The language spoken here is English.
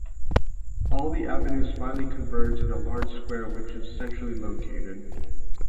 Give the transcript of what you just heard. All the avenues finally converged in a large square which was centrally located.